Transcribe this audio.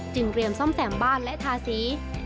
จึงเรียมซ่อมแสนบ้านและทาสี